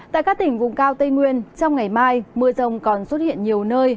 tại các tỉnh vùng cao tây nguyên trong ngày mai mưa rông còn xuất hiện nhiều nơi